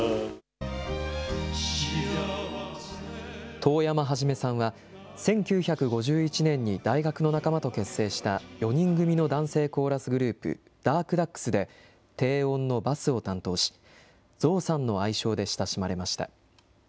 遠山一さんは、１９５１年に大学の仲間と結成した４人組の男声コーラスグループ、ダークダックスで、低音のバスを担当し、ゾウさんの愛称で親しまれました。